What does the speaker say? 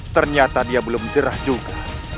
ternyata dia belum jerah juga